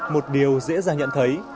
một điều dễ dàng nhận thấy